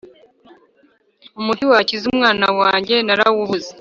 umuti wakiza umwana wanjye narawubuze